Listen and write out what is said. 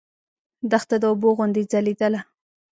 دښته د اوبو غوندې ځلېدله.